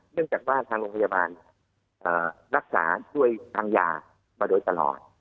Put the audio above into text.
เนื่องจากว่าทางโรงพยาบาลรักษาช่วยทางยามาโดยตลอด